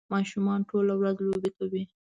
ماشومان ټوله ورځ لوبې کوي.